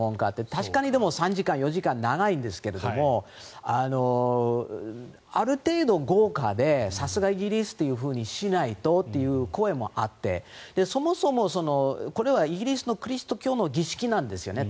確かに３時間、４時間長いんですけれどもある程度豪華でさすがイギリスというふうにしないとという声もあってそもそもこれはイギリスのキリスト教の儀式なんですよね。